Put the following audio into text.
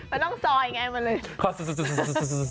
มันต้องซอยไงมาเลย